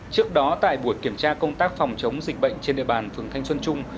trước đó tại buổi kiểm tra công tác phòng chống dịch bệnh trên địa bàn phường thanh xuân trung